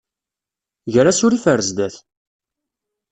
Ger asurif ar zdat!